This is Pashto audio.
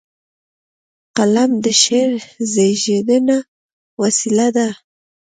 قلم د شعر زیږنده وسیله ده.